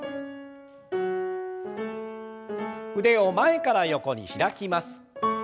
腕を前から横に開きます。